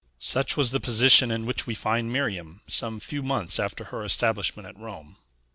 Such was the position in which we find Miriam some few months after her establishment at Rome.